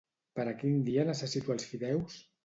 Per a quin dia necessito els fideus?